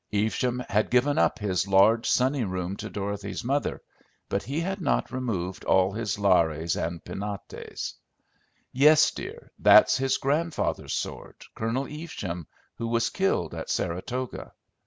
Evesham had given up his large, sunny room to Dorothy's mother, but he had not removed all his lares and penates. "Yes, dear; that's his grandfather's sword Colonel Evesham, who was killed at Saratoga."